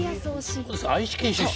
愛知県出身。